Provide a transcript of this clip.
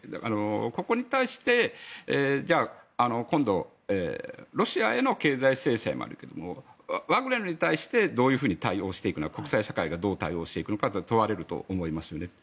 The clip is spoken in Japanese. ここに対して、じゃあ今度ロシアへの経済制裁もあるけれどもワグネルに対してどういうふうに対応していくのか国際社会がどう対応していくのかが問われると思いますよね。